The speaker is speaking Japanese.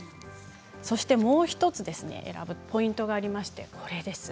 そしてもう１つポイントがあります。